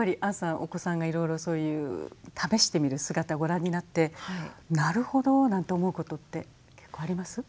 お子さんがいろいろそういう試してみる姿ご覧になって「なるほど」なんて思うことって結構あります？